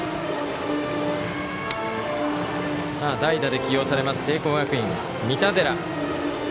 代打で起用されます、聖光学院三田寺。